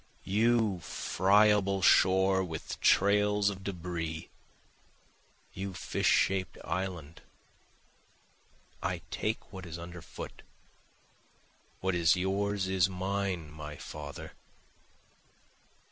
You friable shore with trails of debris, You fish shaped island, I take what is underfoot, What is yours is mine my father.